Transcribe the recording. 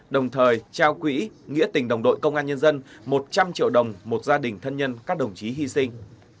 đồng thời trao quỹ nghĩa tình đồng đội công an nhân dân một trăm linh triệu đồng một gia đình thân nhân các đồng chí hy sinh